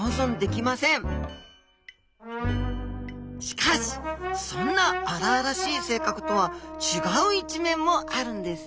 しかしそんな荒々しい性格とは違う一面もあるんです